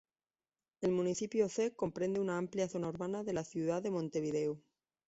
El municipio C comprende una amplia zona urbana de la ciudad de Montevideo.